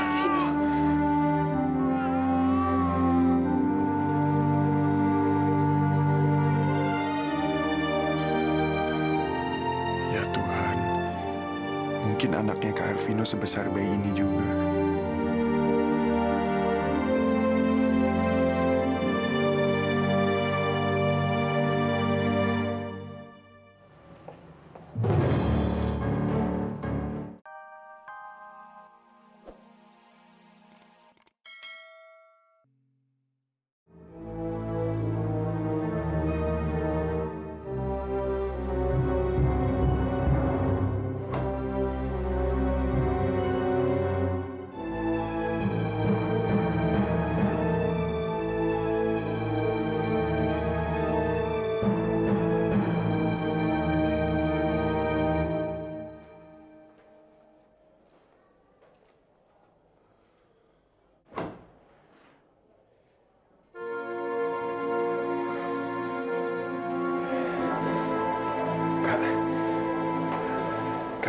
sampai jumpa di video selanjutnya